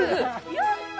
やったぁ！